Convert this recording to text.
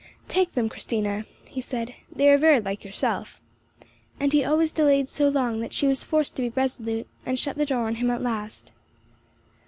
"Take them, Christina," he said, "they are very like yourself;" and he always delayed so long that she was forced to be resolute, and shut the door on him at last.